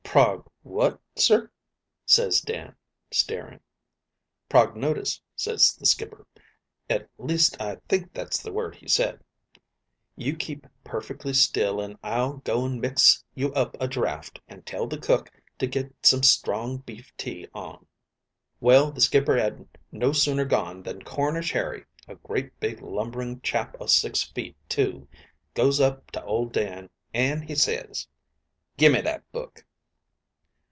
"'Prog what, sir?" ses Dan, staring. "'Prognotice,' ses the skipper, at least I think that's the word he said. 'You keep perfectly still, an' I'll go an' mix you up a draft, and tell the cook to get some strong beef tea on.' "Well, the skipper 'ad no sooner gone, than Cornish Harry, a great big lumbering chap o' six feet two, goes up to old Dan, an' he ses, 'Gimme that book.'